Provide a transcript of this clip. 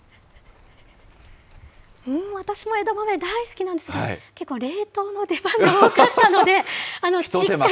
私も枝豆、大好きなんですけど、結構、冷凍の出番が多かったので、しっかり。